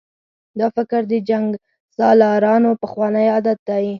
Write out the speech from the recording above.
دا فکر د جنګسالارانو پخوانی عادت دی.